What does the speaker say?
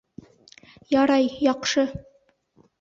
Ярай, яҡшы!